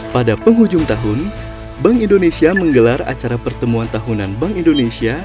pada penghujung tahun bank indonesia menggelar acara pertemuan tahunan bank indonesia